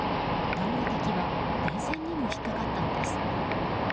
倒れた木は電線にも引っかかったのです。